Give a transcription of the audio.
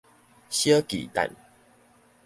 小巨蛋